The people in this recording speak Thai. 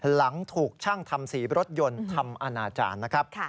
หลังถูกช่างทำสีรถยนต์ทำอนาจารย์นะครับ